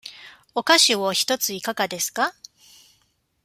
お菓子を一ついかがですか。